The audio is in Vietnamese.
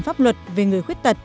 pháp luật về người khuyết tật